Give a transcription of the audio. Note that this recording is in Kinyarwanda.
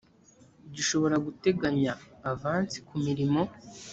gishobora guteganya avansi ku mirimo